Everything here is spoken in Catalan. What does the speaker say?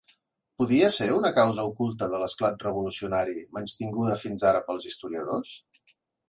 Podia ser una causa oculta de l'esclat revolucionari menystinguda fins ara pels historiadors?